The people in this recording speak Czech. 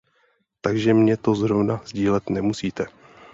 Takže mně to zrovna sdílet nemusíte.